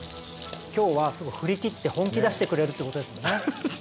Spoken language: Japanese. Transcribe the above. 今日は振り切って本気出してくれるってことですもんね？